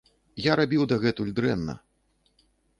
Я рабіў дагэтуль дрэнна.